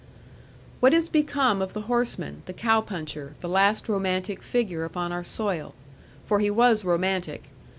What is become of the horseman, the cow puncher, the last romantic figure upon our soil? For he was romantic.